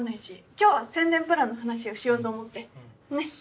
今日は宣伝プランの話をしようと思ってねっ？